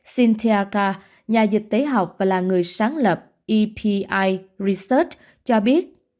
cynthia carr nhà dịch tế học và là người sáng lập epi research cho biết